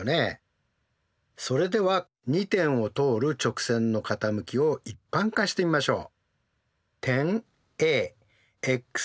それでは２点を通る直線の傾きを一般化してみましょう。